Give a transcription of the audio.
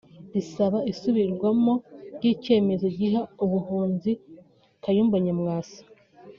risaba isubirwamo ry’icyemezo giha ubuhunzi Kayumba Nyamwasa